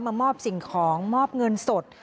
มอบสิ่งของมอบเงินสด